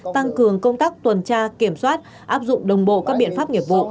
tăng cường công tác tuần tra kiểm soát áp dụng đồng bộ các biện pháp nghiệp vụ